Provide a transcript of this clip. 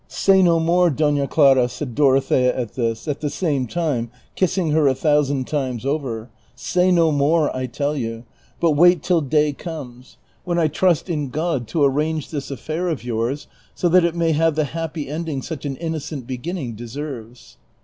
" Say no more. Dona Clara," said Dorothea at this, at the same time kissing her a thousand times over, " say no more, I tell you, but wait till day comes ; when I trust in God to arrange this affair of yours so that it may have the happy ending such an innocent beginning deserves."